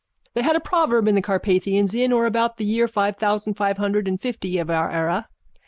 _ They had a proverb in the Carpathians in or about the year five thousand five hundred and fifty of our era.